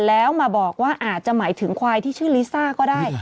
แล้วมาบอกว่าอาจจะหมายถึงควายที่ชื่อลิซ่าก็ได้